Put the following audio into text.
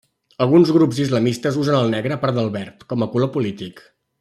Alguns grups islamistes usen el negre, a part del verd, com a color polític.